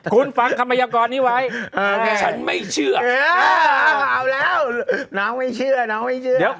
คุณฟังคำพยากรนี้ไว้ฉันไม่เชื่อเอาแล้วน้องไม่เชื่อน้องไม่เชื่อ